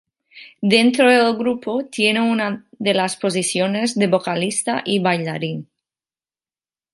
Dentro del grupo tiene una de las posiciones de vocalista y bailarín.